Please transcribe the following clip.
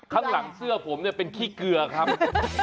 ข้างหลังเสื้อผมเนี่ยเป็นขี้เกลือครับ